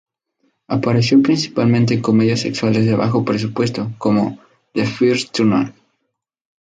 Apareció principalmente en comedias sexuales de bajo presupuesto, como "The First Turn-On!